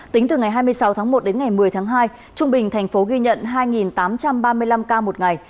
tính từ ngày hai mươi sáu tháng một đến ngày một mươi tháng hai trung bình thành phố ghi nhận hai tám trăm ba mươi năm ca một ngày